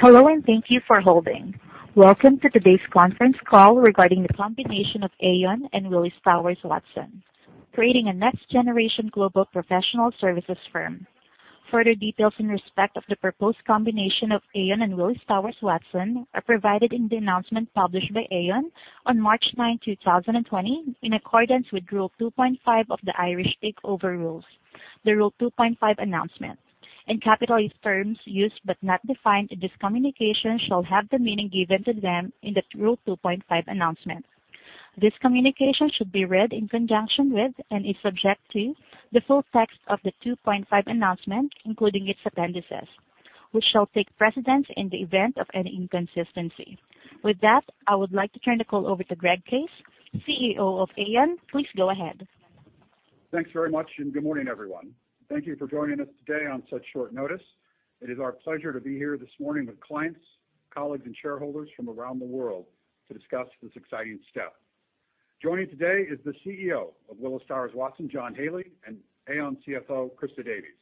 Hello, and thank you for holding. Welcome to today's conference call regarding the combination of Aon and Willis Towers Watson, creating a next-generation global professional services firm. Further details in respect of the proposed combination of Aon and Willis Towers Watson are provided in the announcement published by Aon on March 9, 2020, in accordance with Rule 2.5 of the Irish Takeover Rules, the Rule 2.5 announcement. In capitalized terms used but not defined in this communication shall have the meaning given to them in the Rule 2.5 announcement. This communication should be read in conjunction with and is subject to the full text of the Rule 2.5 announcement, including its appendices, which shall take precedence in the event of any inconsistency. With that, I would like to turn the call over to Greg Case, CEO of Aon. Please go ahead. Thanks very much, good morning, everyone. Thank you for joining us today on such short notice. It is our pleasure to be here this morning with clients, colleagues, and shareholders from around the world to discuss this exciting step. Joining today is the CEO of Willis Towers Watson, John Haley, and Aon CFO, Christa Davies.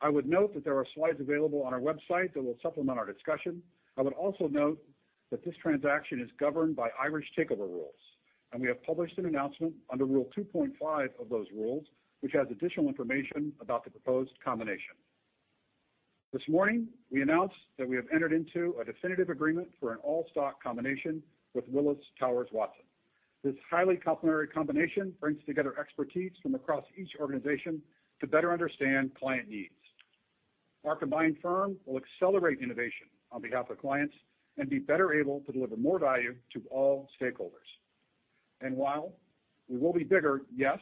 I would note that there are slides available on our website that will supplement our discussion. I would also note that this transaction is governed by Irish Takeover Rules, we have published an announcement under Rule 2.5 of those rules, which has additional information about the proposed combination. This morning, we announced that we have entered into a definitive agreement for an all-stock combination with Willis Towers Watson. This highly complementary combination brings together expertise from across each organization to better understand client needs. Our combined firm will accelerate innovation on behalf of clients and be better able to deliver more value to all stakeholders. While we will be bigger, yes,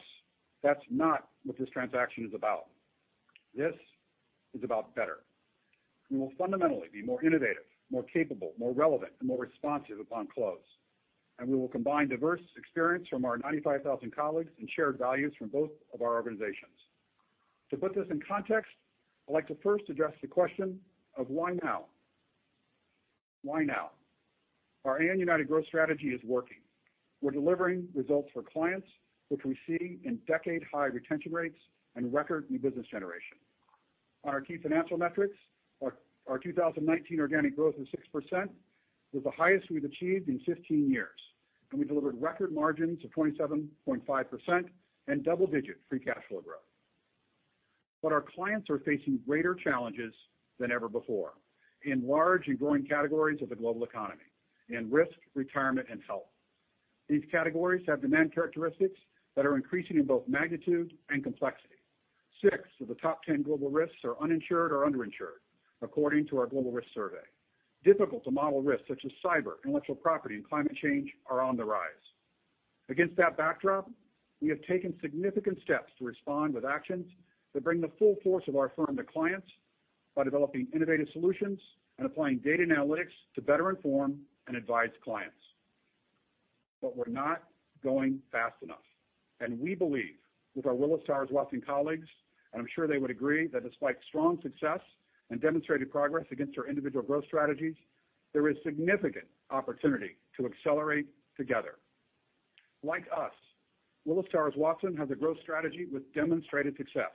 that's not what this transaction is about. This is about better. We will fundamentally be more innovative, more capable, more relevant, and more responsive upon close. We will combine diverse experience from our 95,000 colleagues and shared values from both of our organizations. To put this in context, I'd like to first address the question of why now. Why now? Our Aon United growth strategy is working. We're delivering results for clients, which we see in decade-high retention rates and record new business generation. On our key financial metrics, our 2019 organic growth of 6% was the highest we've achieved in 15 years, and we delivered record margins of 27.5% and double-digit free cash flow growth. Our clients are facing greater challenges than ever before in large and growing categories of the global economy in risk, retirement, and health. These categories have demand characteristics that are increasing in both magnitude and complexity. 6 of the top 10 global risks are uninsured or underinsured, according to our global risk survey. Difficult-to-model risks such as cyber, intellectual property, and climate change are on the rise. Against that backdrop, we have taken significant steps to respond with actions that bring the full force of our firm to clients by developing innovative solutions and applying data and analytics to better inform and advise clients. We're not going fast enough, and we believe with our Willis Towers Watson colleagues, and I'm sure they would agree, that despite strong success and demonstrated progress against our individual growth strategies, there is significant opportunity to accelerate together. Like us, Willis Towers Watson has a growth strategy with demonstrated success.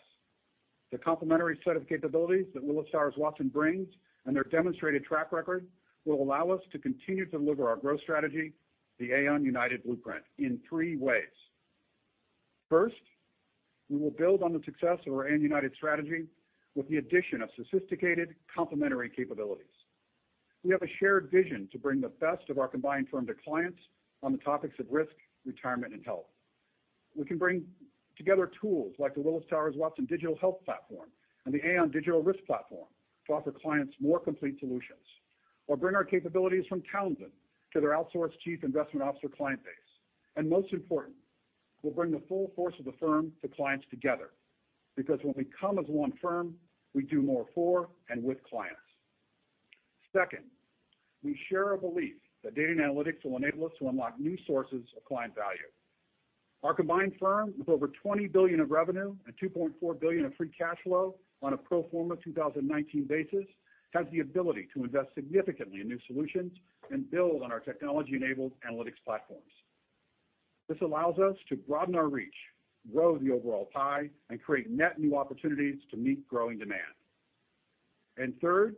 The complementary set of capabilities that Willis Towers Watson brings and their demonstrated track record will allow us to continue to deliver our growth strategy, the Aon United blueprint, in three ways. First, we will build on the success of our Aon United strategy with the addition of sophisticated complementary capabilities. We have a shared vision to bring the best of our combined firm to clients on the topics of risk, retirement, and health. We can bring together tools like the Willis Towers Watson digital health platform and the Aon digital risk platform to offer clients more complete solutions. Bring our capabilities from Townsend to their outsourced chief investment officer client base. Most important, we'll bring the full force of the firm to clients together, because when we come as one firm, we do more for and with clients. Second, we share a belief that data and analytics will enable us to unlock new sources of client value. Our combined firm, with over $20 billion of revenue and $2.4 billion of free cash flow on a pro forma 2019 basis, has the ability to invest significantly in new solutions and build on our technology-enabled analytics platforms. This allows us to broaden our reach, grow the overall pie, and create net new opportunities to meet growing demand. Third,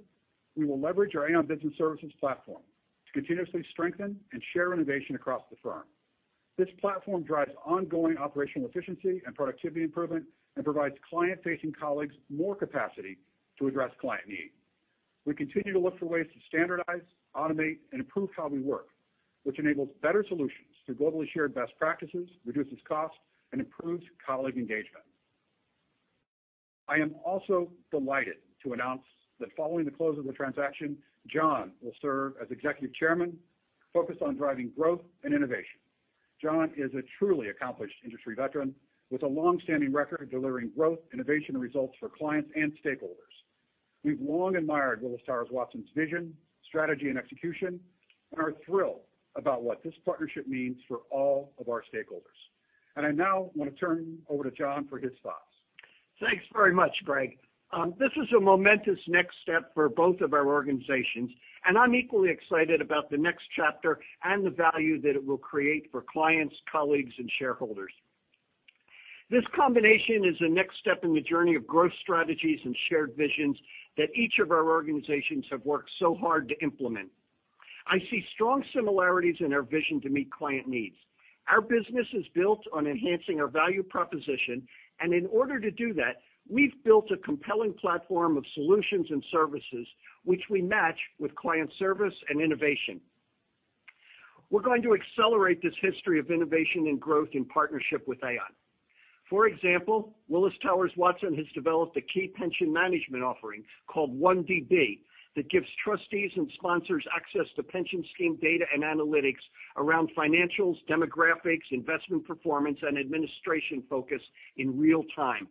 we will leverage our Aon Business Services platform to continuously strengthen and share innovation across the firm. This platform drives ongoing operational efficiency and productivity improvement and provides client-facing colleagues more capacity to address client need. We continue to look for ways to standardize, automate, and improve how we work, which enables better solutions through globally shared best practices, reduces costs, and improves colleague engagement. I am also delighted to announce that following the close of the transaction, John will serve as Executive Chairman focused on driving growth and innovation. John is a truly accomplished industry veteran with a long-standing record of delivering growth, innovation, and results for clients and stakeholders. We've long admired Willis Towers Watson's vision, strategy, and execution and are thrilled about what this partnership means for all of our stakeholders. I now want to turn over to John for his thoughts. Thanks very much, Greg. This is a momentous next step for both of our organizations, and I'm equally excited about the next chapter and the value that it will create for clients, colleagues, and shareholders. This combination is the next step in the journey of growth strategies and shared visions that each of our organizations have worked so hard to implement. I see strong similarities in our vision to meet client needs. Our business is built on enhancing our value proposition, and in order to do that, we've built a compelling platform of solutions and services which we match with client service and innovation. We're going to accelerate this history of innovation and growth in partnership with Aon. For example, Willis Towers Watson has developed a key pension management offering called OneDB that gives trustees and sponsors access to pension scheme data and analytics around financials, demographics, investment performance, and administration focus in real time.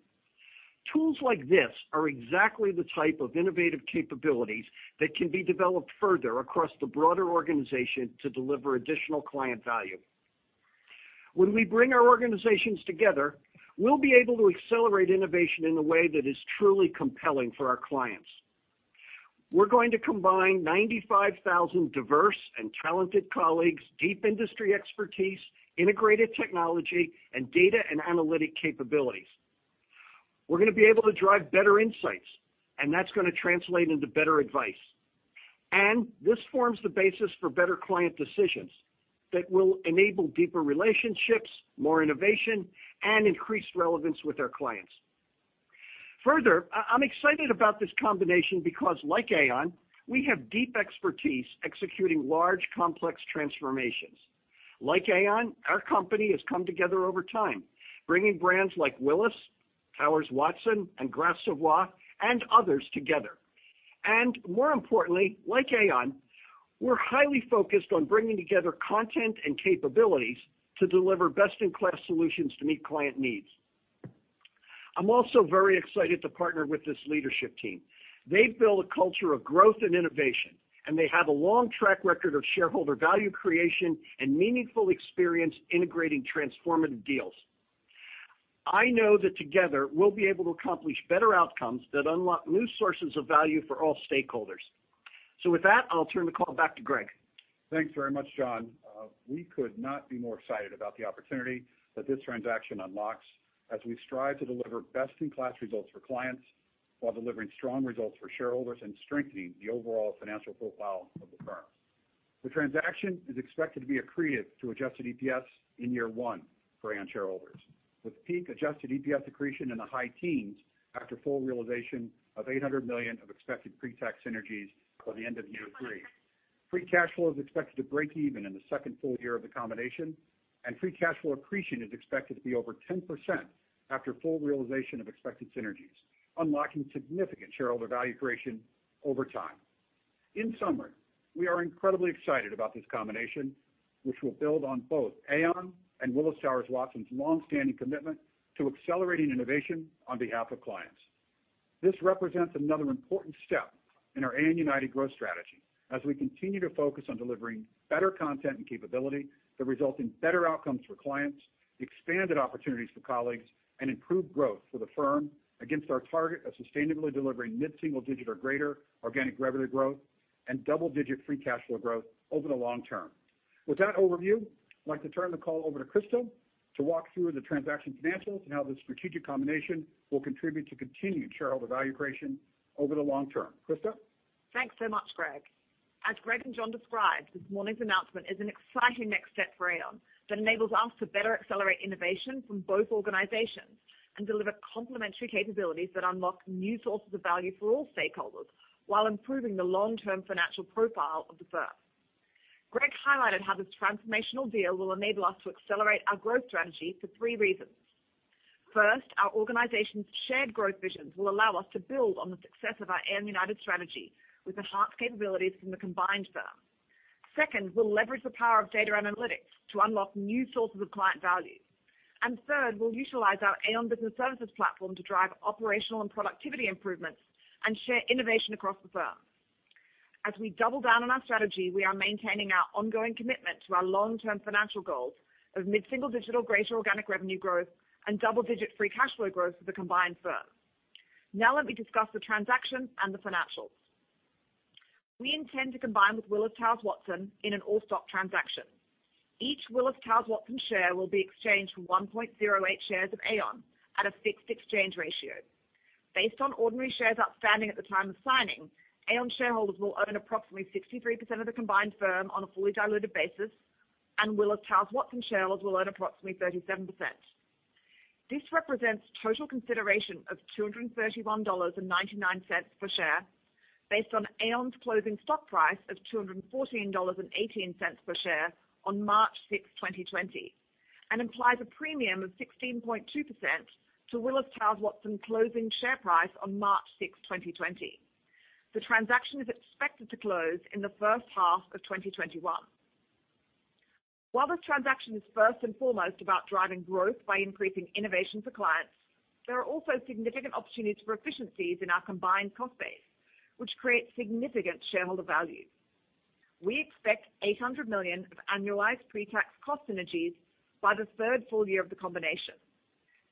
Tools like this are exactly the type of innovative capabilities that can be developed further across the broader organization to deliver additional client value. When we bring our organizations together, we'll be able to accelerate innovation in a way that is truly compelling for our clients. We're going to combine 95,000 diverse and talented colleagues, deep industry expertise, integrated technology, and data and analytic capabilities. We're going to be able to drive better insights, and that's going to translate into better advice. This forms the basis for better client decisions that will enable deeper relationships, more innovation, and increased relevance with our clients. Further, I'm excited about this combination because, like Aon, we have deep expertise executing large, complex transformations. Like Aon, our company has come together over time, bringing brands like Willis, Towers Watson, and Gras Savoye, and others together. More importantly, like Aon, we're highly focused on bringing together content and capabilities to deliver best-in-class solutions to meet client needs. I'm also very excited to partner with this leadership team. They've built a culture of growth and innovation, and they have a long track record of shareholder value creation and meaningful experience integrating transformative deals. I know that together, we'll be able to accomplish better outcomes that unlock new sources of value for all stakeholders. With that, I'll turn the call back to Greg. Thanks very much, John. We could not be more excited about the opportunity that this transaction unlocks as we strive to deliver best-in-class results for clients while delivering strong results for shareholders and strengthening the overall financial profile of the firm. The transaction is expected to be accretive to adjusted EPS in year one for Aon shareholders, with peak adjusted EPS accretion in the high teens after full realization of $800 million of expected pre-tax synergies by the end of year three. Free cash flow is expected to break even in the second full year of the combination, and free cash flow accretion is expected to be over 10% after full realization of expected synergies, unlocking significant shareholder value creation over time. In summary, we are incredibly excited about this combination, which will build on both Aon and Willis Towers Watson's long-standing commitment to accelerating innovation on behalf of clients. This represents another important step in our Aon United growth strategy as we continue to focus on delivering better content and capability that result in better outcomes for clients, expanded opportunities for colleagues, and improved growth for the firm against our target of sustainably delivering mid-single digit or greater organic revenue growth and double-digit free cash flow growth over the long term. With that overview, I'd like to turn the call over to Christa to walk through the transaction financials and how the strategic combination will contribute to continued shareholder value creation over the long term. Christa? Thanks so much, Greg. As Greg and John described, this morning's announcement is an exciting next step for Aon that enables us to better accelerate innovation from both organizations and deliver complementary capabilities that unlock new sources of value for all stakeholders while improving the long-term financial profile of the firm. Greg highlighted how this transformational deal will enable us to accelerate our growth strategy for three reasons. First, our organizations' shared growth visions will allow us to build on the success of our Aon United strategy with enhanced capabilities from the combined firm. Second, we'll leverage the power of data and analytics to unlock new sources of client value. Third, we'll utilize our Aon Business Services platform to drive operational and productivity improvements and share innovation across the firm. As we double down on our strategy, we are maintaining our ongoing commitment to our long-term financial goals of mid-single digit organic revenue growth and double-digit free cash flow growth for the combined firm. Now let me discuss the transaction and the financials. We intend to combine with Willis Towers Watson in an all-stock transaction. Each Willis Towers Watson share will be exchanged for 1.08 shares of Aon at a fixed exchange ratio. Based on ordinary shares outstanding at the time of signing, Aon shareholders will own approximately 63% of the combined firm on a fully diluted basis, and Willis Towers Watson shareholders will own approximately 37%. This represents total consideration of $231.99 per share based on Aon's closing stock price of $214.18 per share on March 6th, 2020, and implies a premium of 16.2% to Willis Towers Watson's closing share price on March 6th, 2020. The transaction is expected to close in the first half of 2021. While this transaction is first and foremost about driving growth by increasing innovation for clients, there are also significant opportunities for efficiencies in our combined cost base, which creates significant shareholder value. We expect $800 million of annualized pre-tax cost synergies by the third full year of the combination.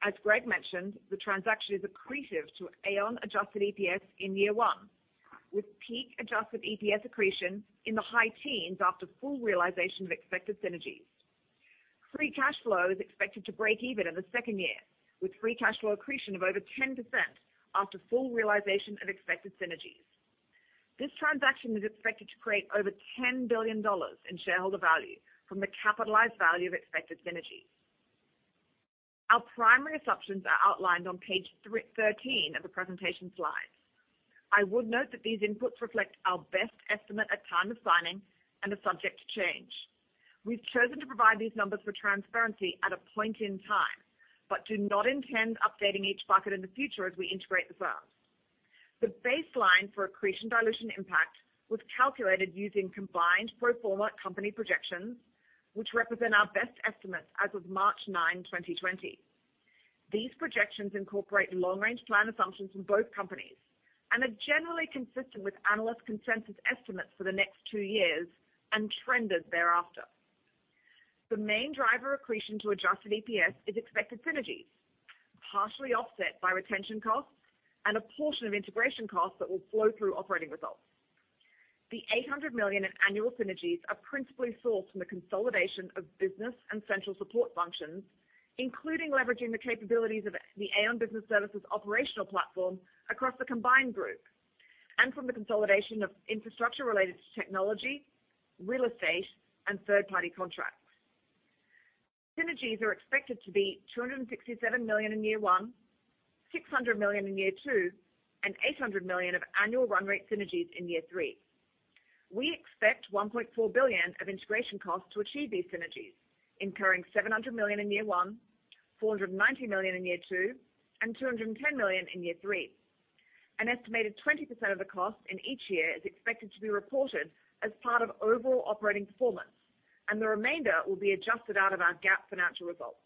As Greg mentioned, the transaction is accretive to Aon adjusted EPS in year one with peak adjusted EPS accretion in the high teens after full realization of expected synergies. Free cash flow is expected to break even in the second year, with free cash flow accretion of over 10% after full realization of expected synergies. This transaction is expected to create over $10 billion in shareholder value from the capitalized value of expected synergies. Our primary assumptions are outlined on page 13 of the presentation slides. I would note that these inputs reflect our best estimate at time of signing and are subject to change. We've chosen to provide these numbers for transparency at a point in time, but do not intend updating each bucket in the future as we integrate the firms. The baseline for accretion dilution impact was calculated using combined pro forma company projections, which represent our best estimates as of March 9, 2020. These projections incorporate long range plan assumptions from both companies and are generally consistent with analyst consensus estimates for the next two years and trenders thereafter. The main driver accretion to adjusted EPS is expected synergies, partially offset by retention costs and a portion of integration costs that will flow through operating results. The $800 million in annual synergies are principally sourced from the consolidation of business and central support functions, including leveraging the capabilities of the Aon Business Services operational platform across the combined group and from the consolidation of infrastructure related to technology, real estate, and third-party contracts. Synergies are expected to be $267 million in year one, $600 million in year two, and $800 million of annual run rate synergies in year three. We expect $1.4 billion of integration costs to achieve these synergies, incurring $700 million in year one, $490 million in year two, and $210 million in year three. An estimated 20% of the cost in each year is expected to be reported as part of overall operating performance, and the remainder will be adjusted out of our GAAP financial results.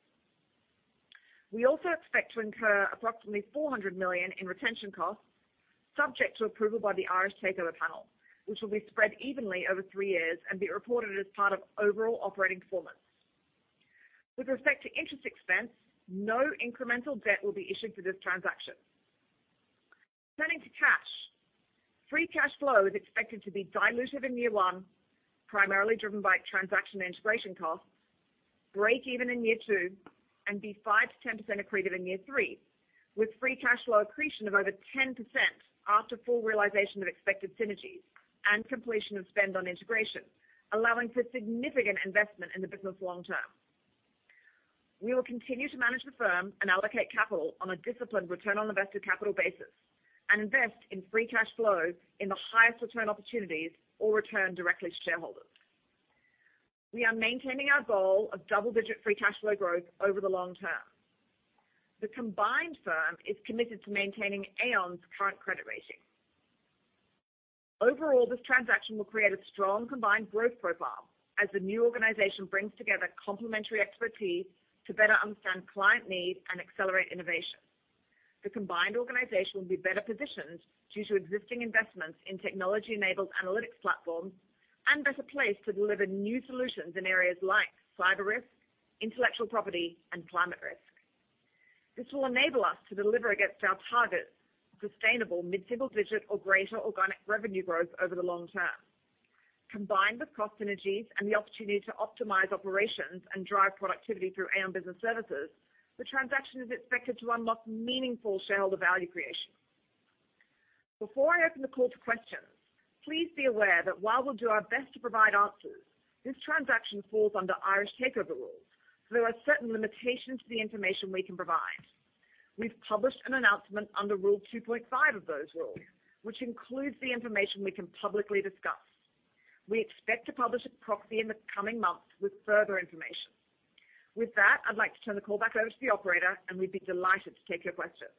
We also expect to incur approximately $400 million in retention costs, subject to approval by the Irish Takeover Panel, which will be spread evenly over three years and be reported as part of overall operating performance. With respect to interest expense, no incremental debt will be issued for this transaction. Turning to cash, free cash flow is expected to be dilutive in year one, primarily driven by transaction and integration costs, break even in year two, and be 5%-10% accretive in year three, with free cash flow accretion of over 10% after full realization of expected synergies and completion of spend on integration, allowing for significant investment in the business long term. We will continue to manage the firm and allocate capital on a disciplined return on invested capital basis and invest in free cash flow in the highest return opportunities or return directly to shareholders. We are maintaining our goal of double-digit free cash flow growth over the long term. The combined firm is committed to maintaining Aon's current credit rating. Overall, this transaction will create a strong combined growth profile as the new organization brings together complementary expertise to better understand client need and accelerate innovation. The combined organization will be better positioned due to existing investments in technology-enabled analytics platforms and better placed to deliver new solutions in areas like cyber risk, intellectual property, and climate risk. This will enable us to deliver against our target sustainable mid-single digit or greater organic revenue growth over the long term. Combined with cost synergies and the opportunity to optimize operations and drive productivity through Aon Business Services, the transaction is expected to unlock meaningful shareholder value creation. Before I open the call to questions, please be aware that while we'll do our best to provide answers, this transaction falls under Irish Takeover Rules, so there are certain limitations to the information we can provide. We've published an announcement under Rule 2.5 of those rules, which includes the information we can publicly discuss. We expect to publish a proxy in the coming months with further information. With that, I'd like to turn the call back over to the operator, and we'd be delighted to take your questions.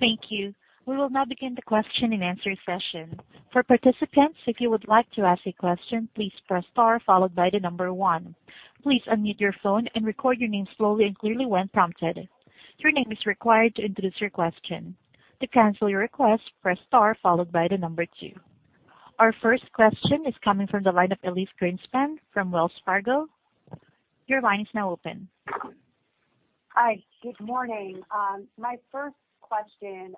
Thank you. We will now begin the question and answer session. For participants, if you would like to ask a question, please press star followed by the number one. Please unmute your phone and record your name slowly and clearly when prompted. Your name is required to introduce your question. To cancel your request, press star followed by the number two. Our first question is coming from the line of Elyse Greenspan from Wells Fargo. Your line is now open. Hi. Good morning. My first question.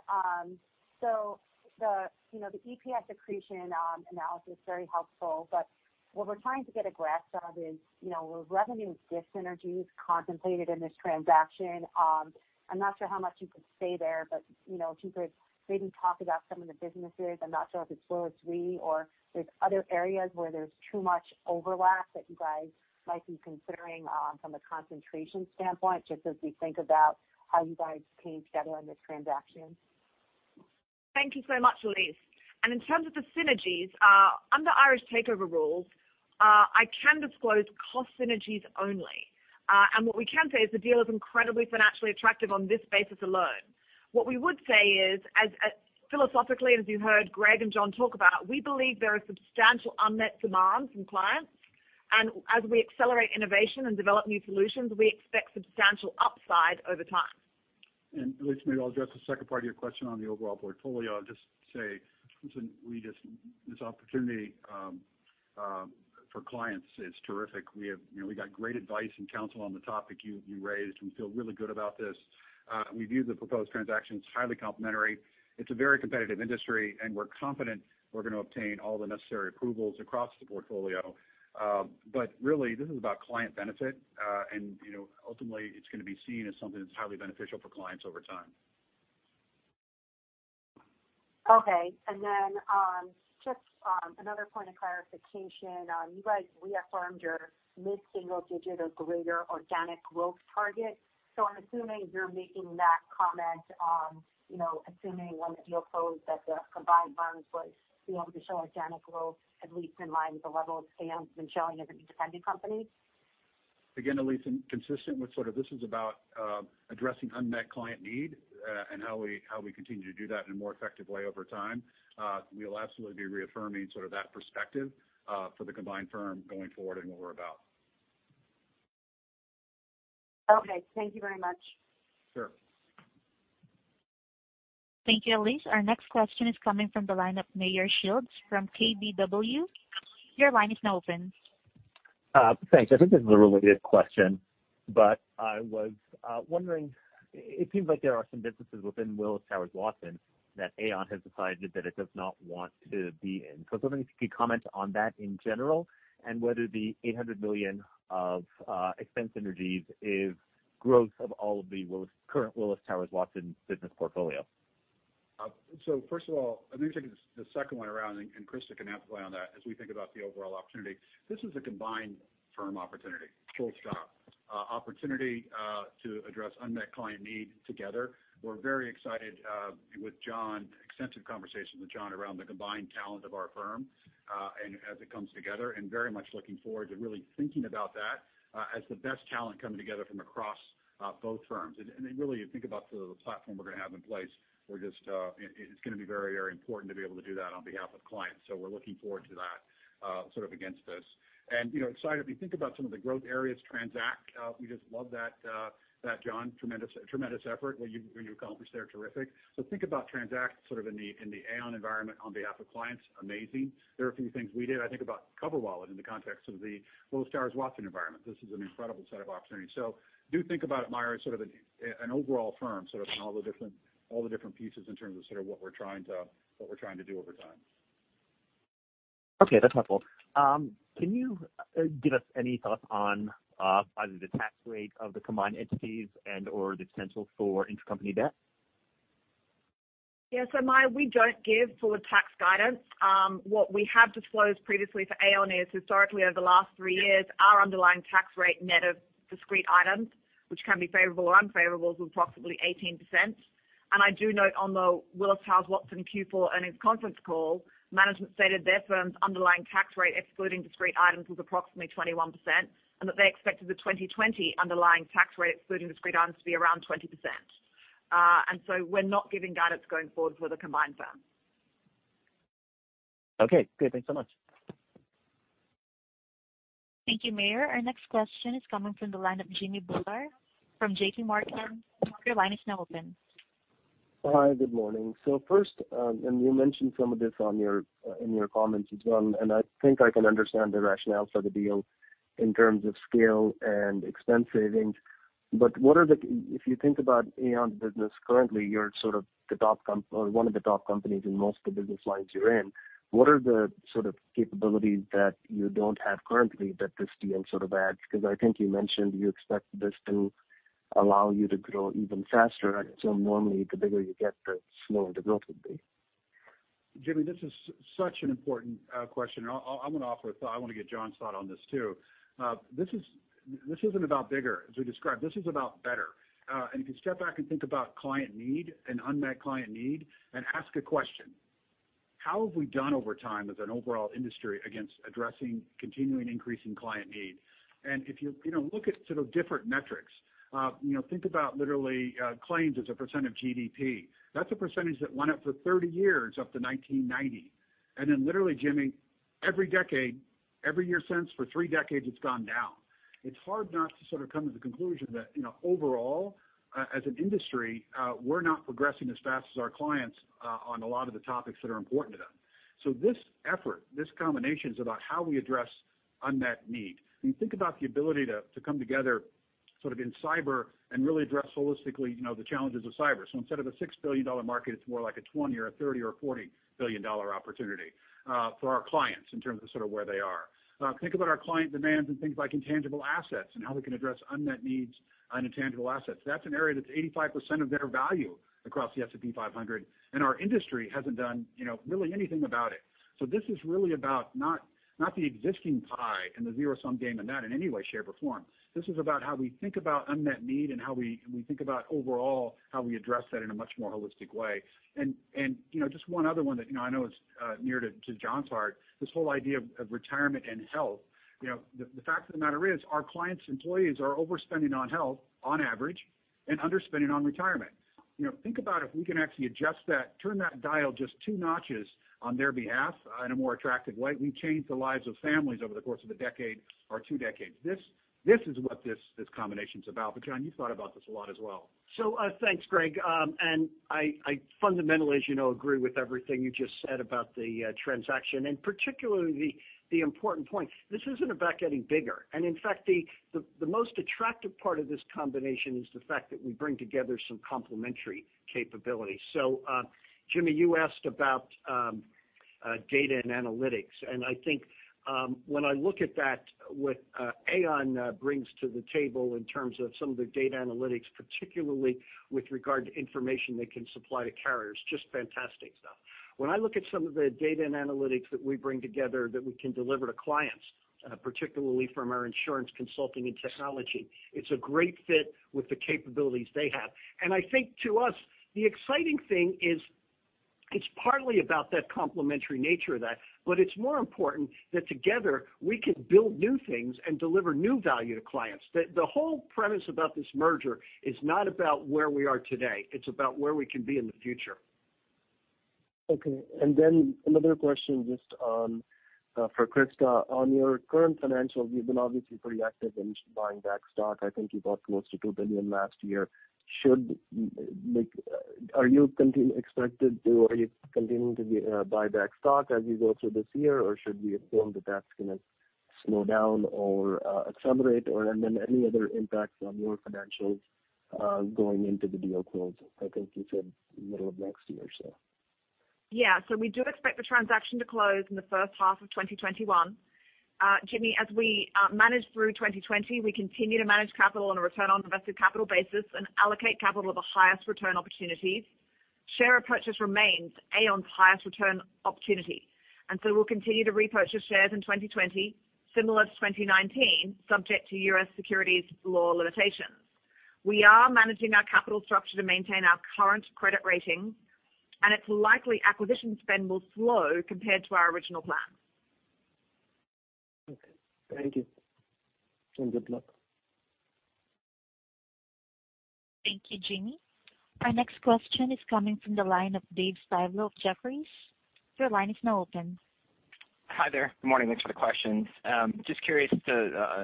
The EPS accretion analysis, very helpful, but what we're trying to get a grasp of is, were revenue dis-synergies contemplated in this transaction? I'm not sure how much you could say there, but if you could maybe talk about some of the businesses. I'm not sure if it's Willis Re or there's other areas where there's too much overlap that you guys might be considering from a concentration standpoint, just as we think about how you guys came together on this transaction. Thank you so much, Elyse. In terms of the synergies, under Irish Takeover Rules, I can disclose cost synergies only. What we can say is the deal is incredibly financially attractive on this basis alone. What we would say is, philosophically, as you heard Greg and John talk about, we believe there are substantial unmet demands from clients. As we accelerate innovation and develop new solutions, we expect substantial upside over time. Elyse, maybe I'll address the second part of your question on the overall portfolio. I'll just say Listen, this opportunity for clients is terrific. We got great advice and counsel on the topic you raised, and we feel really good about this. We view the proposed transaction as highly complementary. It's a very competitive industry, and we're confident we're going to obtain all the necessary approvals across the portfolio. Really, this is about client benefit. Ultimately, it's going to be seen as something that's highly beneficial for clients over time. Okay. Just another point of clarification. You guys reaffirmed your mid-single digit or greater organic growth target. I'm assuming you're making that comment, assuming when the deal closed that the combined firms would be able to show organic growth at least in line with the level of Aon's been showing as an independent company? Again, Elyse, consistent with sort of this is about addressing unmet client need and how we continue to do that in a more effective way over time. We'll absolutely be reaffirming that perspective for the combined firm going forward and what we're about. Okay. Thank you very much. Sure. Thank you, Elyse. Our next question is coming from the line of Meyer Shields from KBW. Your line is now open. Thanks. I think this is a related question, but I was wondering, it seems like there are some businesses within Willis Towers Watson that Aon has decided that it does not want to be in. I was wondering if you could comment on that in general and whether the $800 million of expense synergies is growth of all of the current Willis Towers Watson business portfolio. First of all, let me take the second one around, and Christa can add away on that as we think about the overall opportunity. This is a combined firm opportunity, full stop. Opportunity to address unmet client need together. We're very excited with John, extensive conversations with John around the combined talent of our firm as it comes together, and very much looking forward to really thinking about that as the best talent coming together from across both firms. Really, you think about the platform we're going to have in place, it's going to be very important to be able to do that on behalf of clients. We're looking forward to that against this. Excited, we think about some of the growth areas, TRANZACT. We just love that, John, tremendous effort, what you accomplished there, terrific. Think about TRANZACT in the Aon environment on behalf of clients. Amazing. There are a few things we did. I think about CoverWallet in the context of the Willis Towers Watson environment. This is an incredible set of opportunities. Do think about it, Meyer, an overall firm, all the different pieces in terms of what we're trying to do over time. Okay, that's helpful. Can you give us any thoughts on either the tax rate of the combined entities and/or the potential for intercompany debt? Yeah. Meyer, we don't give forward tax guidance. What we have disclosed previously for Aon is historically over the last three years, our underlying tax rate net of discrete items, which can be favorable or unfavorable, was approximately 18%. I do note on the Willis Towers Watson Q4 earnings conference call, management stated their firm's underlying tax rate, excluding discrete items, was approximately 21%, and that they expected the 2020 underlying tax rate, excluding discrete items, to be around 20%. We're not giving guidance going forward for the combined firm. Okay, good. Thanks so much. Thank you, Meyer. Our next question is coming from the line of Jimmy Bhullar from JPMorgan. Your line is now open. Hi, good morning. First, you mentioned some of this in your comments as well, I think I can understand the rationale for the deal in terms of scale and expense savings. If you think about Aon's business currently, you're one of the top companies in most of the business lines you're in. What are the capabilities that you don't have currently that this deal adds? I think you mentioned you expect this to allow you to grow even faster. I'd assume normally the bigger you get, the slower the growth would be. Jimmy, this is such an important question. I want to offer a thought. I want to get John's thought on this too. This isn't about bigger, as we described. This is about better. If you step back and think about client need and unmet client need and ask a question, how have we done over time as an overall industry against addressing continuing increasing client need? If you look at different metrics, think about literally claims as a % of GDP. That's a percentage that went up for 30 years up to 1990. Literally, Jimmy, every decade, every year since, for 3 decades, it's gone down. It's hard not to come to the conclusion that overall, as an industry, we're not progressing as fast as our clients on a lot of the topics that are important to them. This effort, this combination, is about how we address unmet need. When you think about the ability to come together in cyber and really address holistically the challenges of cyber. Instead of a $6 billion market, it's more like a $20 or a $30 or a $40 billion opportunity for our clients in terms of where they are. Think about our client demands and things like intangible assets and how we can address unmet needs on intangible assets. That's an area that's 85% of their value across the S&P 500. Our industry hasn't done really anything about it. This is really about not the existing pie and the zero-sum game in that in any way, shape, or form. This is about how we think about unmet need and how we think about overall how we address that in a much more holistic way. Just one other one that I know is near to John's heart, this whole idea of retirement and health. The fact of the matter is our clients' employees are overspending on health on average and underspending on retirement. Think about if we can actually adjust that, turn that dial just two notches on their behalf in a more attractive way. We change the lives of families over the course of a decade or two decades. This is what this combination's about. John, you've thought about this a lot as well. Thanks, Greg. I fundamentally, as you know, agree with everything you just said about the transaction, and particularly the important point. This isn't about getting bigger. In fact, the most attractive part of this combination is the fact that we bring together some complementary capabilities. Jimmy, you asked about data and analytics. I think when I look at that, what Aon brings to the table in terms of some of the data analytics, particularly with regard to information they can supply to carriers, just fantastic stuff. When I look at some of the data and analytics that we bring together that we can deliver to clients, particularly from our insurance consulting and technology, it's a great fit with the capabilities they have. I think to us, the exciting thing is it's partly about that complementary nature of that, but it's more important that together we can build new things and deliver new value to clients. The whole premise about this merger is not about where we are today. It's about where we can be in the future. Okay, another question just for Christa. On your current financials, you've been obviously pretty active in buying back stock. I think you bought close to $2 billion last year. Are you expected to, or are you continuing to buy back stock as you go through this year? Should we assume that that's going to slow down or accelerate, any other impacts on your financials going into the deal close? I think you said middle of next year. Yeah. We do expect the transaction to close in the first half of 2021. Jimmy, as we manage through 2020, we continue to manage capital on a return on invested capital basis and allocate capital of the highest return opportunities. Share repurchase remains Aon's highest return opportunity, we'll continue to repurchase shares in 2020, similar to 2019, subject to U.S. securities law limitations. We are managing our capital structure to maintain our current credit rating, it's likely acquisition spend will slow compared to our original plan. Okay. Thank you, good luck. Thank you, Jimmy. Our next question is coming from the line of David Styblo of Jefferies. Your line is now open. Hi there. Good morning. Thanks for the questions. Curious in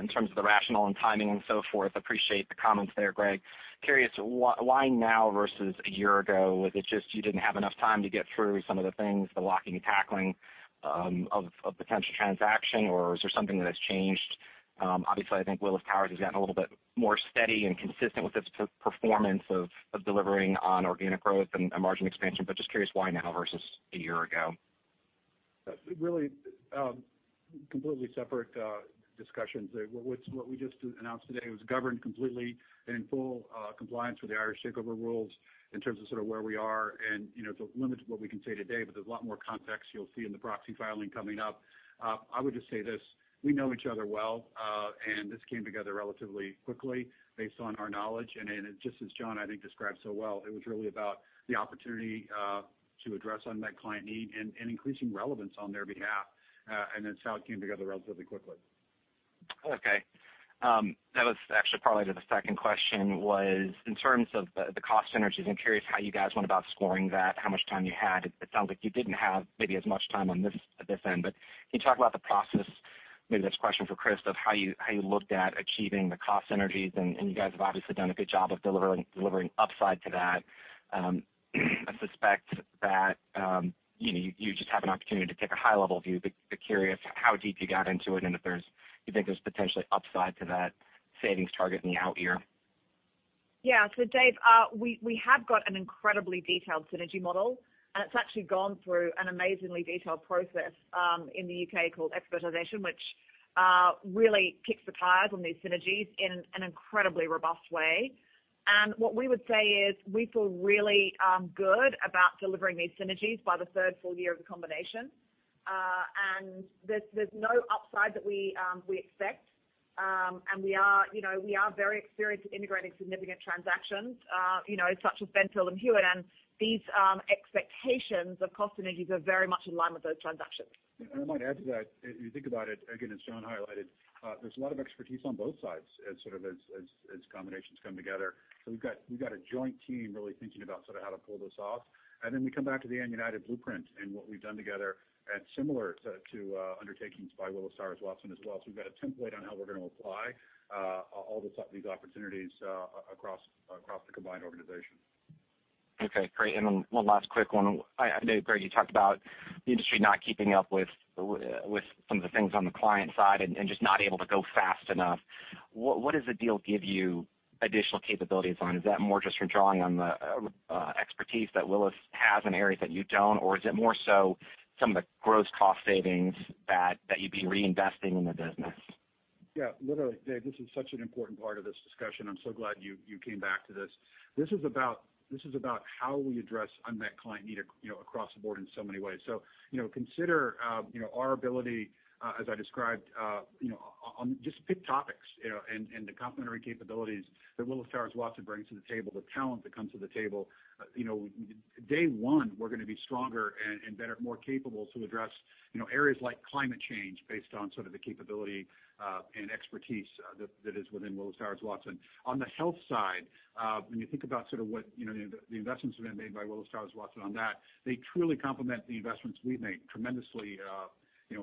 terms of the rationale and timing and so forth, appreciate the comments there, Greg. Curious, why now versus a year ago? Was it just you didn't have enough time to get through some of the things, the locking and tackling of potential transaction, or is there something that has changed? Obviously, I think Willis Towers has gotten a little bit more steady and consistent with its performance of delivering on organic growth and margin expansion, curious why now versus a year ago? Really, completely separate discussions. What we just announced today was governed completely and in full compliance with the Irish Takeover Rules in terms of sort of where we are, there's a limit to what we can say today, there's a lot more context you'll see in the proxy filing coming up. I would just say this, we know each other well, this came together relatively quickly based on our knowledge. Just as John, I think described so well, it was really about the opportunity to address unmet client need and increasing relevance on their behalf. It came together relatively quickly. Okay. That was actually parlay to the second question was in terms of the cost synergies, I'm curious how you guys went about scoring that, how much time you had. It sounds like you didn't have maybe as much time on this at this end, but can you talk about the process? Maybe this question for Christa, of how you looked at achieving the cost synergies, you guys have obviously done a good job of delivering upside to that. I suspect that you just have an opportunity to take a high-level view, curious how deep you got into it and if you think there's potentially upside to that savings target in the out year. Dave, we have got an incredibly detailed synergy model, it's actually gone through an amazingly detailed process in the U.K. called expertization, which really kicks the tires on these synergies in an incredibly robust way. What we would say is we feel really good about delivering these synergies by the third full year of the combination. There's no upside that we expect. We are very experienced at integrating significant transactions, such as Benfield and Hewitt, these expectations of cost synergies are very much in line with those transactions. I might add to that, if you think about it, again, as John highlighted, there's a lot of expertise on both sides as sort of combinations come together. We've got a joint team really thinking about how to pull this off. Then we come back to the Aon United blueprint and what we've done together at similar to undertakings by Willis Towers Watson as well. We've got a template on how we're going to apply all these opportunities across the combined organization. Okay, great. Then one last quick one. I know, Greg, you talked about the industry not keeping up with some of the things on the client side and just not able to go fast enough. What does the deal give you additional capabilities on? Is that more just for drawing on the expertise that Willis has in areas that you don't? Or is it more so some of the gross cost savings that you'd be reinvesting in the business? Yeah. Literally, Dave, this is such an important part of this discussion. I'm so glad you came back to this. This is about how we address unmet client need across the board in so many ways. Consider our ability, as I described, on just pick topics and the complementary capabilities that Willis Towers Watson brings to the table, the talent that comes to the table. Day one, we're going to be stronger and better, more capable to address areas like climate change based on sort of the capability and expertise that is within Willis Towers Watson. On the health side, when you think about sort of what the investments have been made by Willis Towers Watson on that, they truly complement the investments we've made tremendously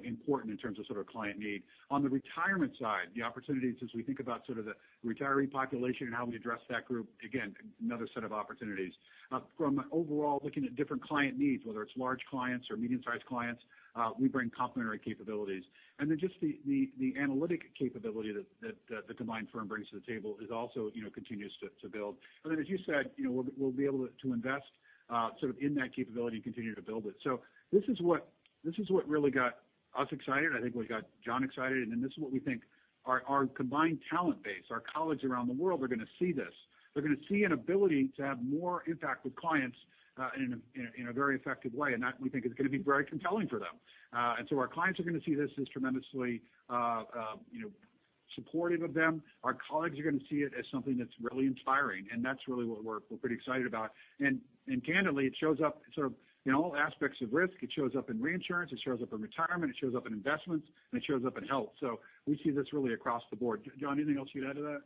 important in terms of client need. On the retirement side, the opportunities as we think about the retiree population and how we address that group, again, another set of opportunities. From overall looking at different client needs, whether it's large clients or medium-sized clients, we bring complementary capabilities. Just the analytic capability that the combined firm brings to the table also continues to build. As you said, we'll be able to invest in that capability and continue to build it. This is what really got us excited, I think what got John excited, this is what we think our combined talent base, our colleagues around the world are going to see this. They're going to see an ability to have more impact with clients in a very effective way. That, we think, is going to be very compelling for them. Our clients are going to see this as tremendously supportive of them. Our colleagues are going to see it as something that's really inspiring, that's really what we're pretty excited about. Candidly, it shows up in all aspects of risk. It shows up in reinsurance, it shows up in retirement, it shows up in investments, it shows up in health. We see this really across the board. John, anything else you'd add to that?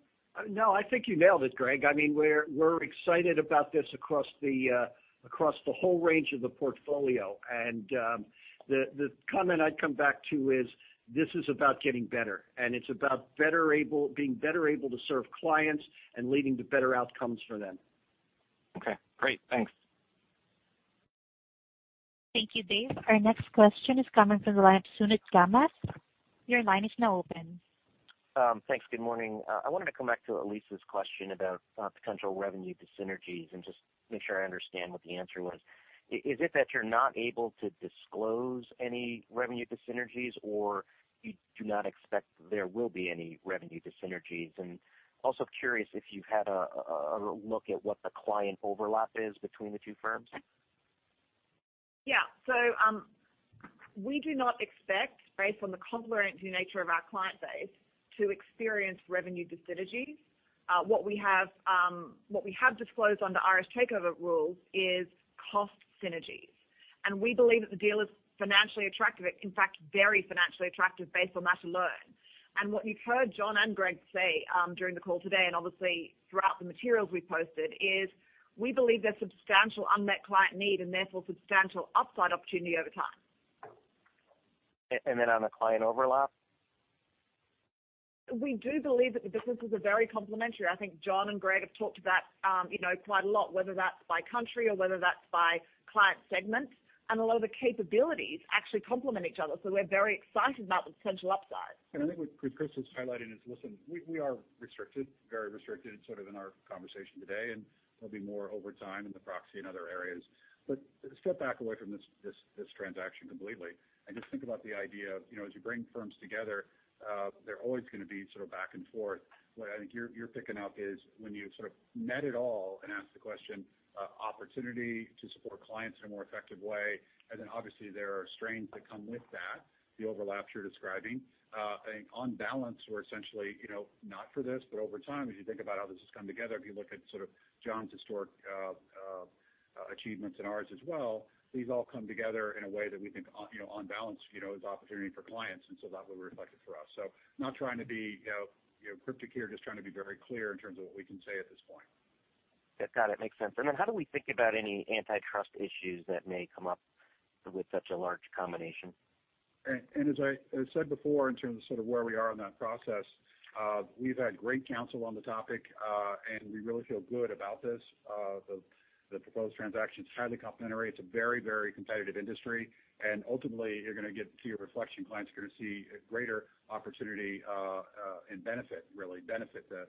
No, I think you nailed it, Greg. We're excited about this across the whole range of the portfolio. The comment I'd come back to is this is about getting better, and it's about being better able to serve clients and leading to better outcomes for them. Okay, great. Thanks. Thank you, David. Our next question is coming from the line of Sunit Shamas. Your line is now open. Thanks. Good morning. I wanted to come back to Elyse's question about potential revenue dyssynergies and just make sure I understand what the answer was. Is it that you're not able to disclose any revenue dyssynergies, or you do not expect there will be any revenue dyssynergies? Also curious if you've had a look at what the client overlap is between the two firms. We do not expect, based on the complementary nature of our client base, to experience revenue dyssynergies. What we have disclosed under Irish Takeover Rules is cost synergies. We believe that the deal is financially attractive, in fact, very financially attractive based on that alone. What you've heard John and Greg say during the call today, and obviously throughout the materials we've posted, is we believe there's substantial unmet client need and therefore substantial upside opportunity over time. On the client overlap? We do believe that the businesses are very complementary. I think John and Greg have talked about quite a lot, whether that's by country or whether that's by client segments. A lot of the capabilities actually complement each other. We're very excited about the potential upside. I think what Christa was highlighting is, listen, we are restricted, very restricted in our conversation today, and there'll be more over time in the proxy in other areas. Step back away from this transaction completely and just think about the idea of as you bring firms together, they're always going to be back and forth. What I think you're picking up is when you net it all and ask the question, opportunity to support clients in a more effective way, and then obviously there are strains that come with that, the overlaps you're describing. I think on balance, we're essentially not for this, but over time, as you think about how this has come together, if you look at John's historic achievements and ours as well, these all come together in a way that we think on balance, is an opportunity for clients. That's what we reflected for us. Not trying to be cryptic here, just trying to be very clear in terms of what we can say at this point. Got it. Makes sense. How do we think about any antitrust issues that may come up with such a large combination? As I said before in terms of where we are in that process, we've had great counsel on the topic, and we really feel good about this. The proposed transaction is highly complementary, it's a very competitive industry. Ultimately, you're going to get to your reflection, clients are going to see a greater opportunity, and benefit really,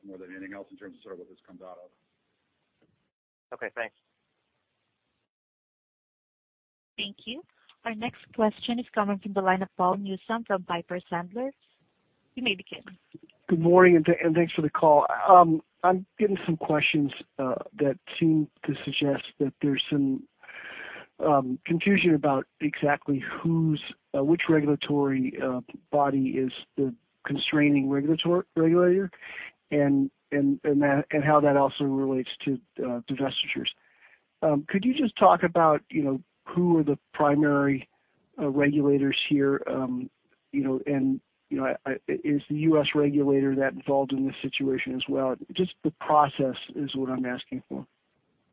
more than anything else in terms of what this comes out of. Okay, thanks. Thank you. Our next question is coming from the line of Paul Newsome from Piper Sandler. You may begin. Good morning, and thanks for the call. I'm getting some questions that seem to suggest that there's some confusion about exactly which regulatory body is the constraining regulator and how that also relates to divestitures. Could you just talk about who are the primary regulators here? Is the U.S. regulator that involved in this situation as well? Just the process is what I'm asking for.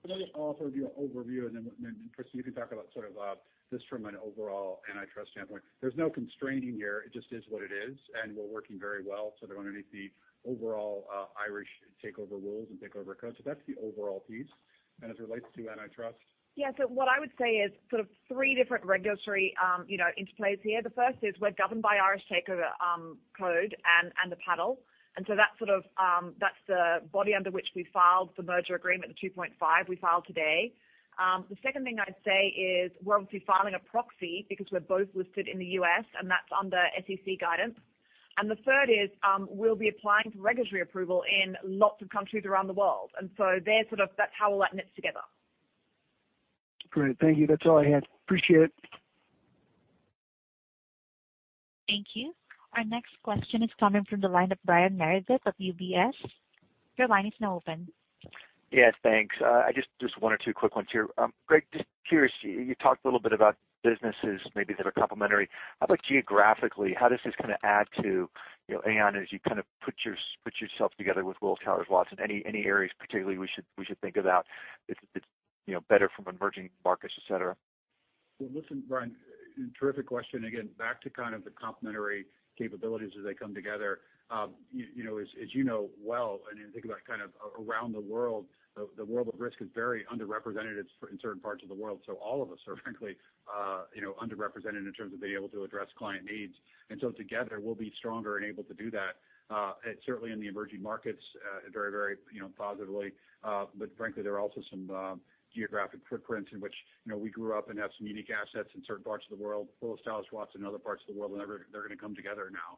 Let me offer the overview, Christa, you can talk about this from an overall antitrust standpoint. There's no constraining here. It just is what it is, and we're working very well underneath the overall Irish Takeover Rules and takeover codes. That's the overall piece. As it relates to antitrust. What I would say is three different regulatory interplays here. The first is we're governed by Irish Takeover Code and the Panel. That's the body under which we filed the merger agreement, Rule 2.5 we filed today. The second thing I'd say is we're obviously filing a proxy because we're both listed in the U.S., and that's under SEC guidance. The third is, we'll be applying for regulatory approval in lots of countries around the world. That's how all that knits together. Great. Thank you. That's all I had. Appreciate it. Thank you. Our next question is coming from the line of Brian Meredith of UBS. Your line is now open. Yes, thanks. Just one or two quick ones here. Greg, just curious, you talked a little bit about businesses maybe that are complementary. How about geographically, how this is going to add to Aon as you put yourself together with Willis Towers Watson? Any areas particularly we should think about if it's Better from emerging markets, et cetera. Well listen, Brian, terrific question. Again, back to the complementary capabilities as they come together. As you know well, and you think about around the world, the world of risk is very under-represented in certain parts of the world. All of us are frankly under-represented in terms of being able to address client needs. Together we'll be stronger and able to do that certainly in the emerging markets very positively. Frankly, there are also some geographic footprints in which we grew up and have some unique assets in certain parts of the world. Willis Towers Watson and other parts of the world, and they're going to come together now.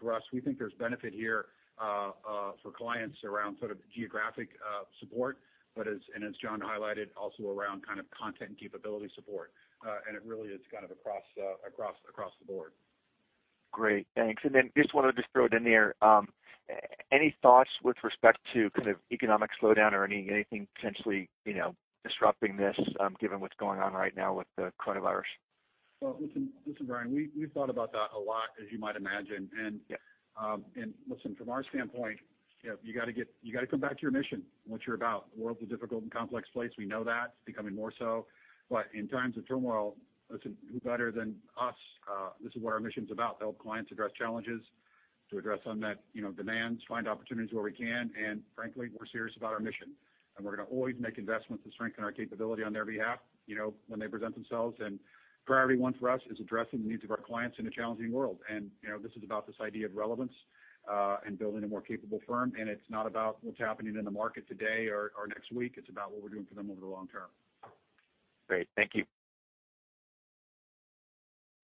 For us, we think there's benefit here for clients around geographic support, and as John highlighted, also around content and capability support. It really is across the board. Great, thanks. Just wanted to just throw it in there. Any thoughts with respect to economic slowdown or anything potentially disrupting this given what's going on right now with the coronavirus? Well, listen, Brian, we've thought about that a lot as you might imagine. Listen, from our standpoint you got to come back to your mission and what you're about. The world's a difficult and complex place, we know that, it's becoming more so. In times of turmoil, listen, who better than us? This is what our mission's about, to help clients address challenges, to address unmet demands, find opportunities where we can. Frankly, we're serious about our mission. We're going to always make investments to strengthen our capability on their behalf when they present themselves. Priority one for us is addressing the needs of our clients in a challenging world. This is about this idea of relevance and building a more capable firm. It's not about what's happening in the market today or next week. It's about what we're doing for them over the long term. Great. Thank you.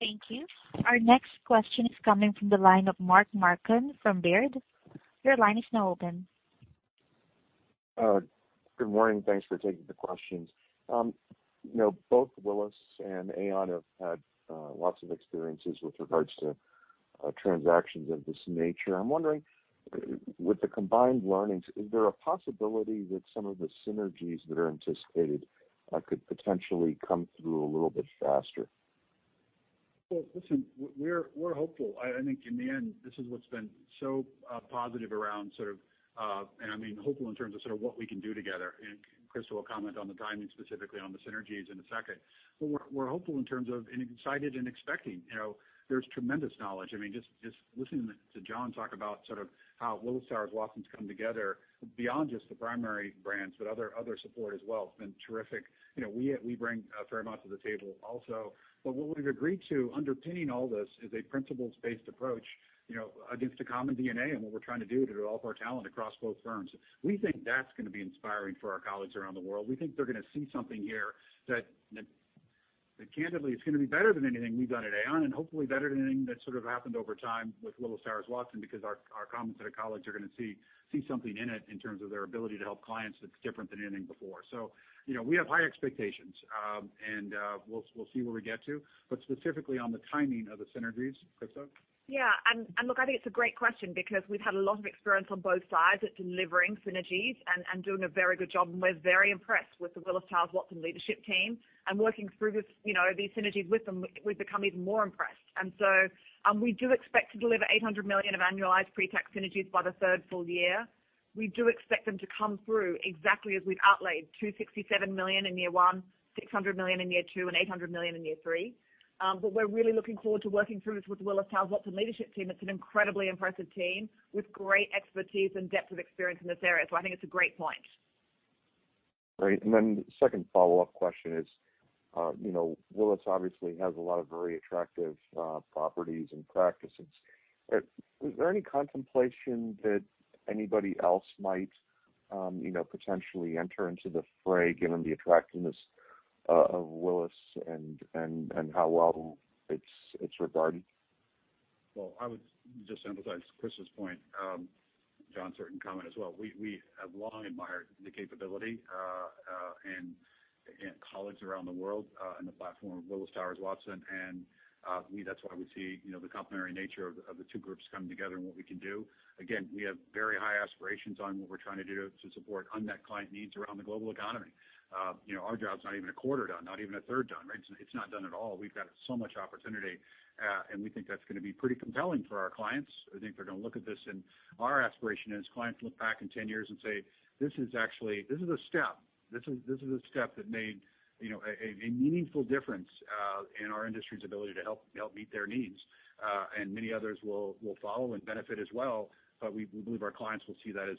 Thank you. Our next question is coming from the line of Mark Marcon from Baird. Your line is now open. Good morning. Thanks for taking the questions. Both Willis and Aon have had lots of experiences with regards to transactions of this nature. I'm wondering with the combined learnings, is there a possibility that some of the synergies that are anticipated could potentially come through a little bit faster? Well, listen, we're hopeful. I think in the end, this is what's been so positive around. I mean hopeful in terms of what we can do together. Christa will comment on the timing specifically on the synergies in a second. We're hopeful in terms of, and excited and expecting. There's tremendous knowledge. Just listening to John Haley talk about how Willis Towers Watson's come together beyond just the primary brands, but other support as well, it's been terrific. We bring a fair amount to the table also. What we've agreed to underpinning all this is a principles-based approach against a common DNA and what we're trying to do to develop our talent across both firms. We think that's going to be inspiring for our colleagues around the world. We think they're going to see something here that candidly is going to be better than anything we've done at Aon and hopefully better than anything that happened over time with Willis Towers Watson because our common set of colleagues are going to see something in it in terms of their ability to help clients that's different than anything before. We have high expectations. We'll see where we get to. Specifically on the timing of the synergies, Christa? Yeah. Look, I think it's a great question because we've had a lot of experience on both sides at delivering synergies and doing a very good job, and we're very impressed with the Willis Towers Watson leadership team and working through these synergies with them, we've become even more impressed. We do expect to deliver $800 million of annualized pre-tax synergies by the third full year. We do expect them to come through exactly as we'd outlaid, $267 million in year one, $600 million in year two, and $800 million in year three. We're really looking forward to working through this with Willis Towers Watson leadership team. It's an incredibly impressive team with great expertise and depth of experience in this area. I think it's a great point. Great. Then second follow-up question is Willis obviously has a lot of very attractive properties and practices. Is there any contemplation that anybody else might potentially enter into the fray given the attractiveness of Willis and how well it's regarded? Well, I would just emphasize Christa's point, John certain comment as well. We have long admired the capability and colleagues around the world and the platform of Willis Towers Watson. To me that's why we see the complementary nature of the two groups coming together and what we can do. Again, we have very high aspirations on what we're trying to do to support unmet client needs around the global economy. Our job's not even a quarter done, not even a third done, right? It's not done at all. We've got so much opportunity. We think that's going to be pretty compelling for our clients. I think they're going to look at this and our aspiration is clients look back in 10 years and say, "This is a step. This is a step that made a meaningful difference in our industry's ability to help meet their needs." Many others will follow and benefit as well. We believe our clients will see that as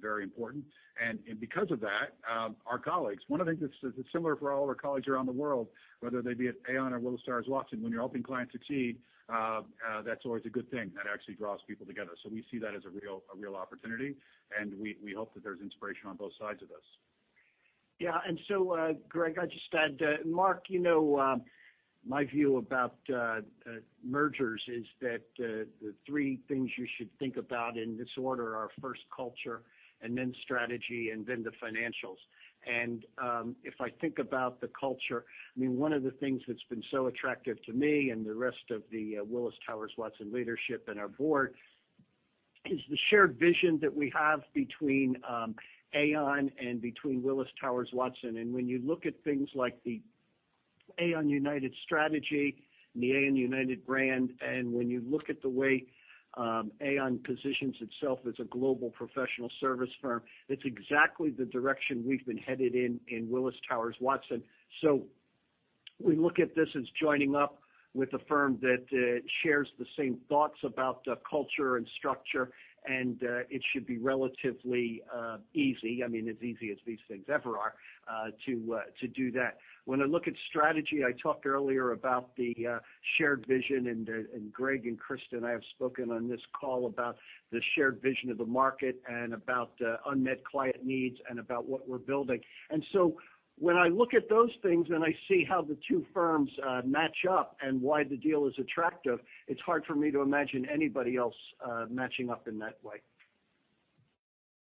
very important. Because of that, our colleagues, one of the things that's similar for all of our colleagues around the world, whether they be at Aon or Willis Towers Watson, when you're helping clients succeed, that's always a good thing. That actually draws people together. We see that as a real opportunity, and we hope that there's inspiration on both sides of this. Yeah. Greg, I'll just add, and Mark, my view about mergers is that the three things you should think about in this order are first culture, and then strategy, and then the financials. If I think about the culture, one of the things that's been so attractive to me and the rest of the Willis Towers Watson leadership and our board is the shared vision that we have between Aon and between Willis Towers Watson. When you look at things like the Aon United strategy and the Aon United brand. When you look at the way Aon positions itself as a global professional service firm, it's exactly the direction we've been headed in Willis Towers Watson. We look at this as joining up with a firm that shares the same thoughts about the culture and structure, and it should be relatively easy. I mean, as easy as these things ever are to do that. When I look at strategy, I talked earlier about the shared vision, and Greg and Christa and I have spoken on this call about the shared vision of the market and about unmet client needs and about what we're building. When I look at those things and I see how the two firms match up and why the deal is attractive, it's hard for me to imagine anybody else matching up in that way.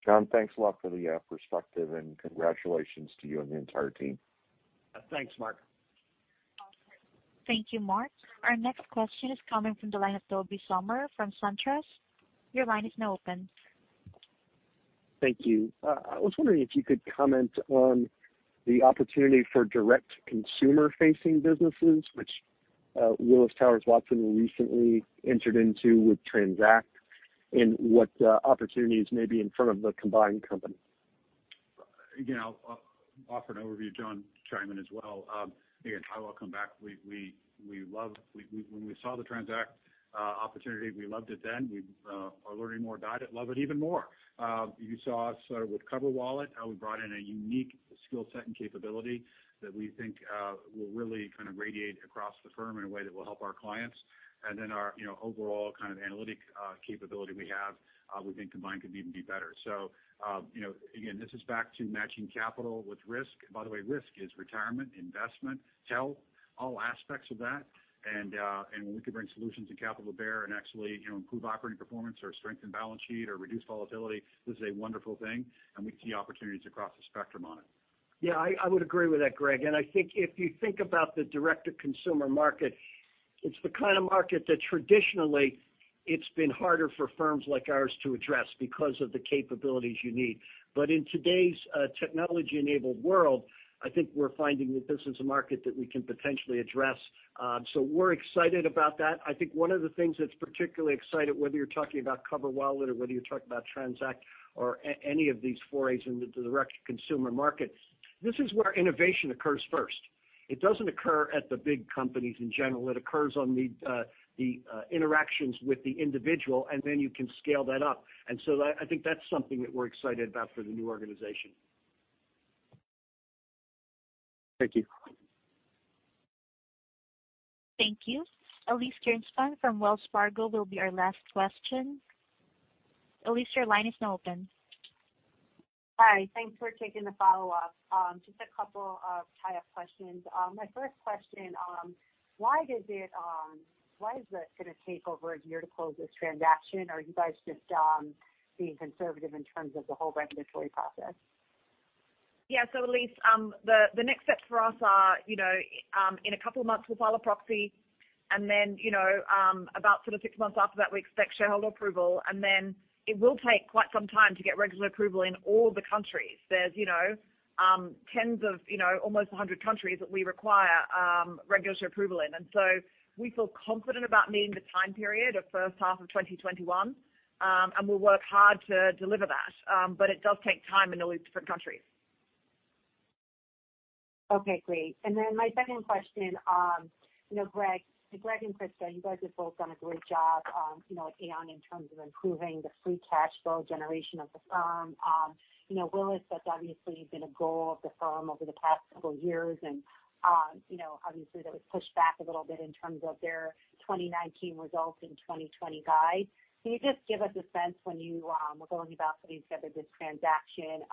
John, thanks a lot for the perspective, and congratulations to you and the entire team. Thanks, Mark. Thank you, Mark. Our next question is coming from the line of Tobey Sommer from SunTrust. Your line is now open. Thank you. I was wondering if you could comment on the opportunity for direct consumer-facing businesses which Willis Towers Watson recently entered into with TRANZACT, and what opportunities may be in front of the combined company. I'll offer an overview, John, to chime in as well. Again, I welcome back. When we saw the TRANZACT opportunity, we loved it then. We are learning more about it, love it even more. You saw us start with CoverWallet, how we brought in a unique skill set and capability that we think will really kind of radiate across the firm in a way that will help our clients. Then our overall analytic capability we have we think combined could even be better. Again, this is back to matching capital with risk. By the way, risk is retirement, investment, health, all aspects of that. When we can bring solutions to capital bear and actually improve operating performance or strengthen balance sheet or reduce volatility, this is a wonderful thing, and we see opportunities across the spectrum on it. Yeah, I would agree with that, Greg. I think if you think about the direct-to-consumer market, it's the kind of market that traditionally it's been harder for firms like ours to address because of the capabilities you need. In today's technology-enabled world, I think we're finding that this is a market that we can potentially address. We're excited about that. I think one of the things that's particularly exciting, whether you're talking about CoverWallet or whether you're talking about TRANZACT or any of these forays into the direct-to-consumer market, this is where innovation occurs first. It doesn't occur at the big companies in general. It occurs on the interactions with the individual, and then you can scale that up. I think that's something that we're excited about for the new organization. Thank you. Thank you. Elyse Greenspan from Wells Fargo will be our last question. Elyse, your line is now open. Hi. Thanks for taking the follow-up. Just a couple of tie-up questions. My first question why is it going to take over a year to close this transaction? Are you guys just being conservative in terms of the whole regulatory process? Yeah. Elyse, the next steps for us are in a couple of months, we'll file a proxy, then about six months after that, we expect shareholder approval, then it will take quite some time to get regulatory approval in all the countries. There's almost 100 countries that we require regulatory approval in. We feel confident about meeting the time period of first half of 2021. We'll work hard to deliver that. It does take time in all these different countries. Okay, great. My second question. Greg and Christa, you guys have both done a great job at Aon in terms of improving the free cash flow generation of the firm. Willis has obviously been a goal of the firm over the past couple of years, obviously that was pushed back a little bit in terms of their 2019 results and 2020 guide. Can you just give us a sense when you were going about putting together this transaction,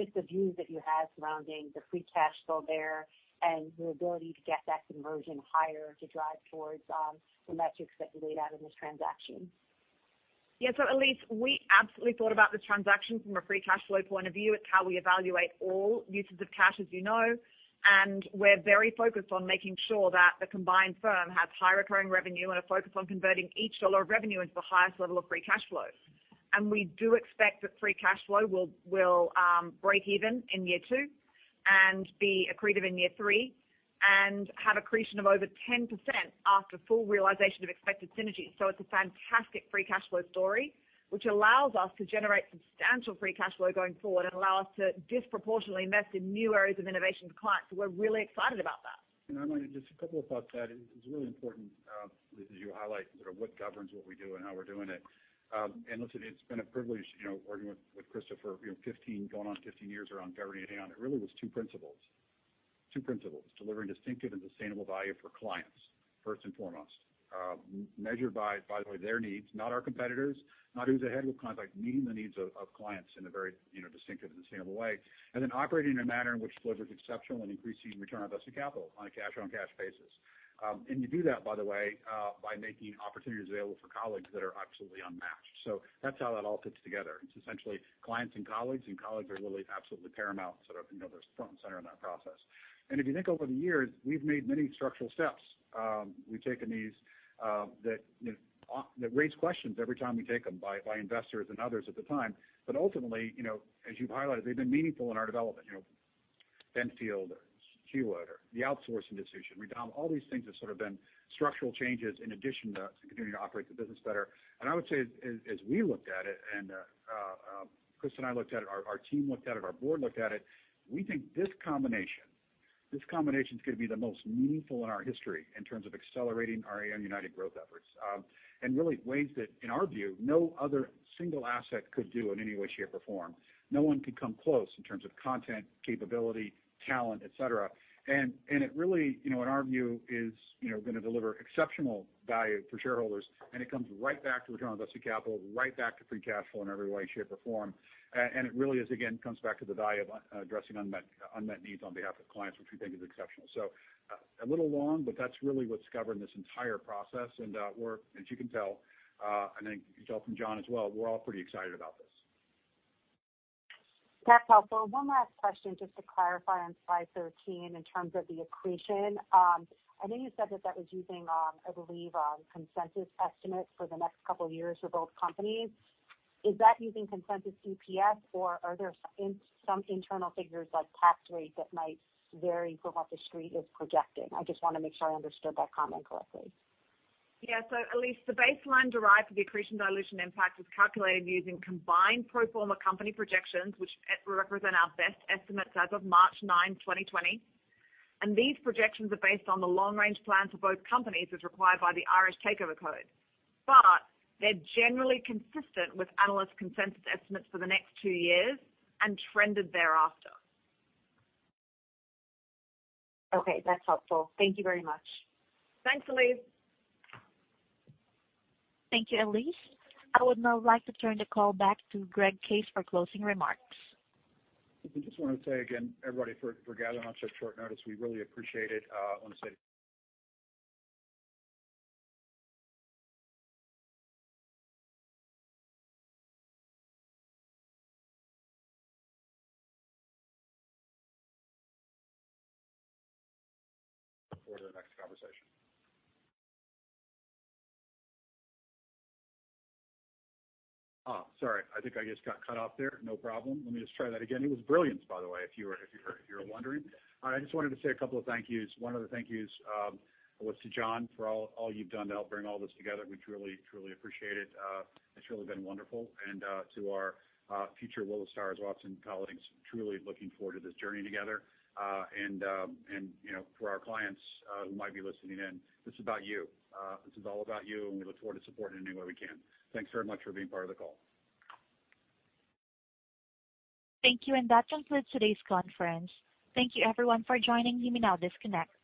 just the views that you had surrounding the free cash flow there and your ability to get that conversion higher to drive towards the metrics that you laid out in this transaction? Elyse, we absolutely thought about this transaction from a free cash flow point of view. It's how we evaluate all uses of cash, as you know, and we're very focused on making sure that the combined firm has high recurring revenue and a focus on converting each dollar of revenue into the highest level of free cash flow. We do expect that free cash flow will break even in year 2 and be accretive in year 3 and have accretion of over 10% after full realization of expected synergies. It's a fantastic free cash flow story, which allows us to generate substantial free cash flow going forward and allow us to disproportionately invest in new areas of innovation with clients. We're really excited about that. I'm going to just a couple of thoughts that it's really important, Elyse, as you highlight sort of what governs what we do and how we're doing it. Listen, it's been a privilege working with Christa for going on 15 years around governing Aon. It really was 2 principles. 2 principles, delivering distinctive and sustainable value for clients, first and foremost, measured by the way their needs, not our competitors, not who's ahead, meeting the needs of clients in a very distinctive and sustainable way, and then operating in a manner in which delivers exceptional and increasing return on invested capital on a cash-on-cash basis. You do that, by the way by making opportunities available for colleagues that are absolutely unmatched. That's how that all fits together. It's essentially clients and colleagues, and colleagues are really absolutely paramount, sort of front and center in that process. If you think over the years, we've made many structural steps. We've taken these that raise questions every time we take them by investors and others at the time. Ultimately, as you've highlighted, they've been meaningful in our development. Benfield, Hewitt, or the outsourcing decision, redomiciliation. All these things have sort of been structural changes in addition to continuing to operate the business better. I would say as we looked at it, Christa and I looked at it, our team looked at it, our board looked at it, we think this combination is going to be the most meaningful in our history in terms of accelerating our Aon United growth efforts. Really ways that, in our view, no other single asset could do in any way, shape, or form. No one could come close in terms of content, capability, talent, et cetera. It really, in our view, is going to deliver exceptional value for shareholders. It comes right back to return on invested capital, right back to free cash flow in every way, shape, or form. It really, again, comes back to the value of addressing unmet needs on behalf of clients, which we think is exceptional. A little long, but that's really what's governed this entire process. As you can tell, and I think you can tell from John as well, we're all pretty excited about this. That's helpful. One last question just to clarify on slide 13 in terms of the accretion. I think you said that that was using, I believe, consensus estimates for the next couple of years for both companies. Is that using consensus EPS, or are there some internal figures like tax rate that might vary from what the street is projecting? I just want to make sure I understood that comment correctly. Yeah. Elyse, the baseline derived for the accretion dilution impact is calculated using combined pro forma company projections, which represent our best estimates as of March 9, 2020. These projections are based on the long-range plan for both companies as required by the Irish Takeover Code. They're generally consistent with analyst consensus estimates for the next two years and trended thereafter. Okay, that's helpful. Thank you very much. Thanks, Elyse. Thank you, Elyse. I would now like to turn the call back to Greg Case for closing remarks. I just want to thank again, everybody, for gathering on such short notice. We really appreciate it. forward to the next conversation. Sorry. I think I just got cut off there. No problem. Let me just try that again. It was brilliance, by the way, if you were wondering. I just wanted to say a couple of thank yous. One of the thank yous was to John, for all you've done to help bring all this together. We truly appreciate it. It's really been wonderful. To our future Willis Towers Watson colleagues, truly looking forward to this journey together. For our clients who might be listening in, this is about you. This is all about you, and we look forward to supporting in any way we can. Thanks very much for being part of the call. Thank you, that concludes today's conference. Thank you everyone for joining. You may now disconnect.